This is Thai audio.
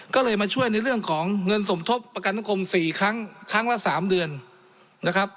ก็เลยมาช่วยในเรื่องของเงินสมทบประกันสังคม๔ครั้งครั้งละ๓เดือนนะครับ